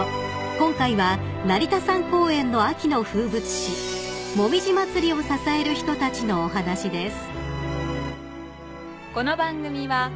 ［今回は成田山公園の秋の風物詩紅葉まつりを支える人たちのお話です］